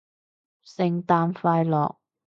聖誕快樂